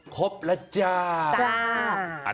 ครบแล้วจ้า